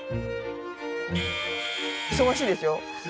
忙しいですよ。